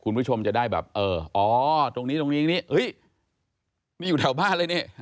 คุณผู้ชมจะได้แบบอ๋อตรงนี้นี่อยู่แถวบ้านเลยเนี่ย